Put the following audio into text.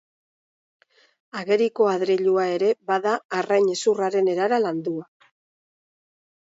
Ageriko adreilua ere bada arrain hezurraren erara landua.